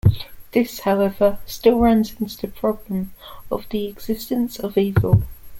This, however, still runs into the problem of the existence of evil.